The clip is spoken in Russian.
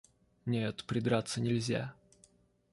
Нет, придраться нельзя.